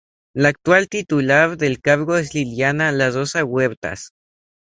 La actual titular del cargo es Liliana La Rosa Huertas.